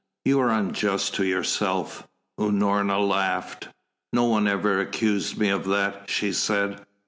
"You are unjust to yourself." Unorna laughed. "No one ever accused me of that," she said.